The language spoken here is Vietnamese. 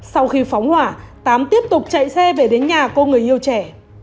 sau khi phóng hỏa tám tiếp tục chạy xe về đến nhà cô người yêu trẻ